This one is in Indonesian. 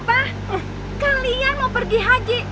pak kalian mau pergi haji